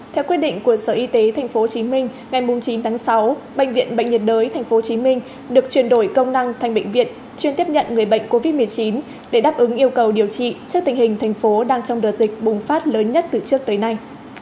theo quyết định của sở y tế tp hcm ngày chín tháng sáu bệnh viện bệnh nhiệt đới tp hcm được chuyển đổi công năng thành bệnh viện chuyên tiếp nhận người bệnh covid một mươi chín để đáp ứng yêu cầu điều trị trước tình hình thành phố đang trong đợt dịch bùng phát lớn nhất từ trước tới nay